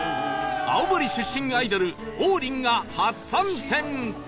青森出身アイドル王林が初参戦